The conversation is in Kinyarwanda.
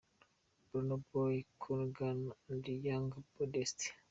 Burna Boy, Khuli Chana & Yanga – Baddest.